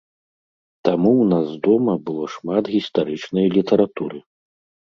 Таму ў нас дома было шмат гістарычнай літаратуры.